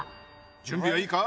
準備はいいか？